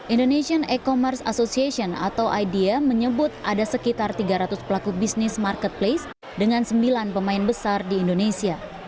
indonesian e commerce association atau idea menyebut ada sekitar tiga ratus pelaku bisnis marketplace dengan sembilan pemain besar di indonesia